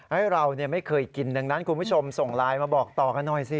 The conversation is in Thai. เราไม่เคยกินดังนั้นคุณผู้ชมส่งไลน์มาบอกต่อกันหน่อยสิ